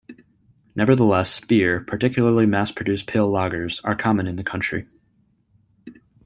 Nevertheless, beer, particularly mass-produced pale lagers, are common in the country.